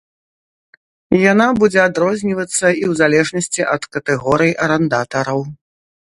Яна будзе адрознівацца і ў залежнасці ад катэгорый арандатараў.